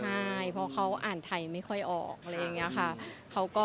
ใช่เพราะเขาอ่านไทยไม่ค่อยออก